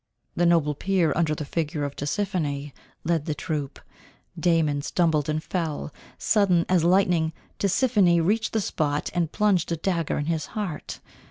The noble peer under the figure of Tisiphone, led the troop. Damon stumbled and fell. Sudden as lightning Tisiphone reached the spot, and plunged a dagger in his heart.